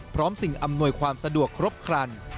สิ่งอำนวยความสะดวกครบครัน